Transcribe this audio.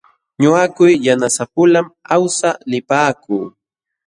Ñuqayku yanasapulam awsaq lipaakuu.